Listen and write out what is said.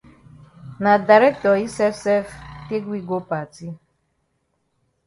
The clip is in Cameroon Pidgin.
Na dirctor yi sef sef take we go party.